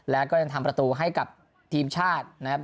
แล้วก็ยังทำประตูให้กับทีมชาตินะครับ